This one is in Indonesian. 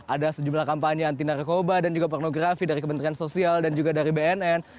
ada sejumlah kampanye anti narkoba dan juga pornografi dari kementerian sosial dan juga dari bnn